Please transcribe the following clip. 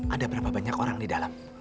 ada berapa banyak orang di dalam